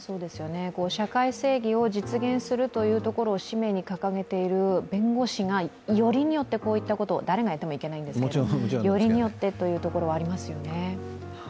社会正義を実現するということを使命に掲げている弁護士が、よりによって、こういうことを誰がやってもいけないんですけれどもよりによってというところはありますよね。